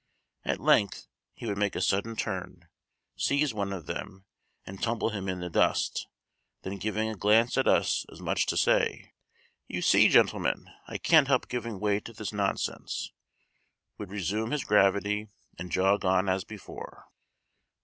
At length he would make a sudden turn, seize one of them, and tumble him in the dust; then giving a glance at us, as much as to say, "You see, gentlemen, I can't help giving way to this nonsense," would resume his gravity and jog on as before.